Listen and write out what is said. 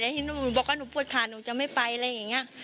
ที่หนูบอกว่าหนูปวดขาหนูจะไม่ไปอะไรอย่างนี้